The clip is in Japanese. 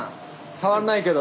触んないけど。